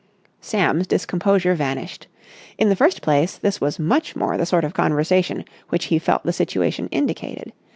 Sam's discomposure vanished. In the first place, this was much more the sort of conversation which he felt the situation indicated.